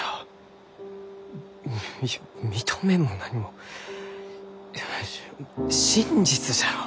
いや認めんも何も真実じゃろう？